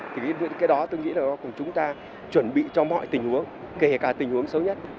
thì cái đó tôi nghĩ là chúng ta chuẩn bị cho mọi tình huống kể cả tình huống xấu nhất